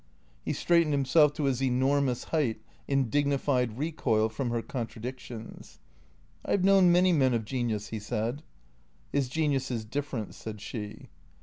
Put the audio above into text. He straightened himself to his enormous height, in dignified recoil from her contradiction. " I have known many men of genius," he said. " His genius is different," said she.